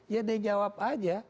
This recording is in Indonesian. ya dia jawab aja